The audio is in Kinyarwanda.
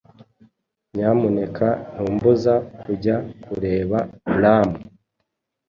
Nyamuneka ntumbuza kujya kureba braam